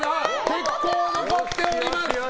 結構、残っております。